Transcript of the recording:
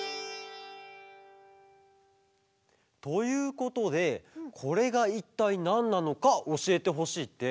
ということでこれがいったいなんなのかおしえてほしいって。